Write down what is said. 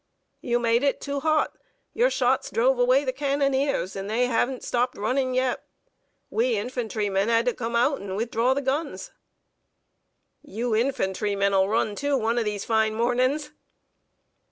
"You made it too hot. Your shots drove away the cannoneers, and they haven't stopped running yet. We infantry men had to come out and withdraw the guns." "You infantrymen will run, too, one of these fine mornings."